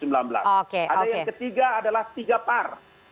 ada yang ketiga adalah tiga par